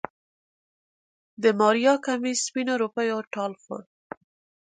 د ماريا کميس سپينو روپيو ټال خوړ.